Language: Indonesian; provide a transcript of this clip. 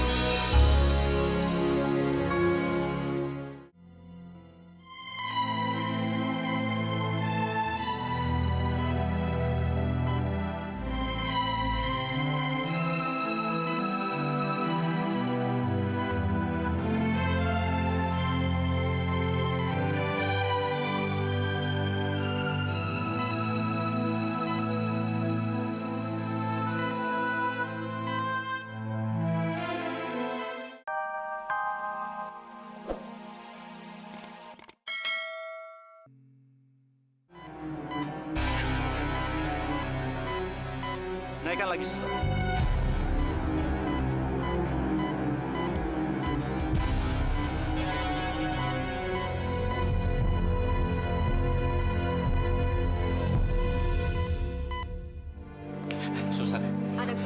sampai jumpa di video selanjutnya